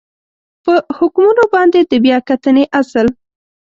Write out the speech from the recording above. په حکمونو باندې د بیا کتنې اصل